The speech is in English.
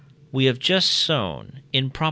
We have just shown (in Prop.